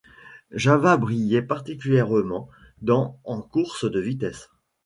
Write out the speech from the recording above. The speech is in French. Jawa brillait particulièrement dans en courses de vitesse.